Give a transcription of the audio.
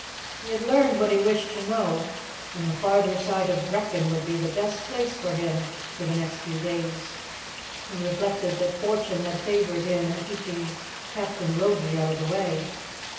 He had learned what he wished to know, and the farther side of Brechin would be the best place for him for the next few days. He reflected that fortune had favoured him in keeping Captain Logie out of the way.